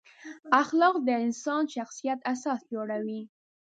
اخلاق د انسان د شخصیت اساس جوړوي.